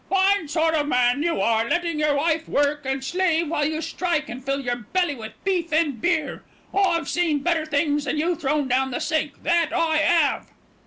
Fine sort of man you are, letting your wife work and slave while you strike and fill your belly with beef and beer. I've seen better things than you thrown down the sink, that I 'ave."